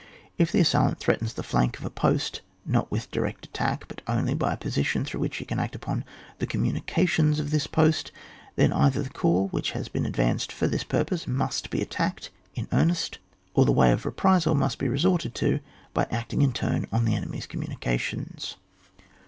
K the assailant threatens the flank of a post not with direct attack, but only by a position through which he can act upon the communications of this post, ^en either the corps which has been advanced for this purpose must be attacked in earnest, or the way of reprisal must be resorted to by acting in turn on the enemy's communications.